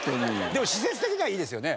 でも施設的にはいいですよね？